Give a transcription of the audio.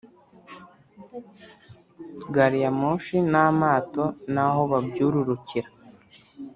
gari ya moshi n’amato n’aho babyururukira